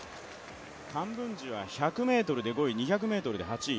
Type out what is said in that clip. カンブンジは１００ｍで５位、２００ｍで８位。